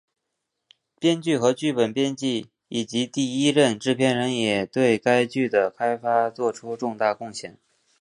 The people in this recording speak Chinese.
编剧和剧本编辑以及第一任制片人也对该剧的开发作出了重大贡献。